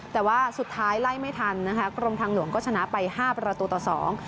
แต่ว่าสุดท้ายไล่ไม่ทันนะคะกรมทางหลวงก็ชนะไปห้าประตูต่อสอง